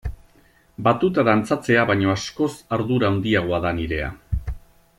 Batuta dantzatzea baino askoz ardura handiagoa da nirea.